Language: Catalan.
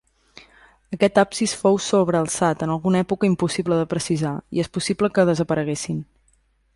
Aquest absis fou sobrealçat, en alguna època impossible de precisar, i és possible que desapareguessin.